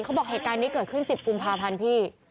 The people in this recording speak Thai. เขาบอกให้กายนี้เกิดขึ้น๑๐กุมภาพันธ์พี่